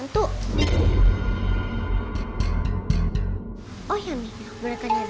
suara pacar itu